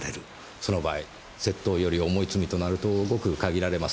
その場合窃盗より重い罪となるとごく限られます。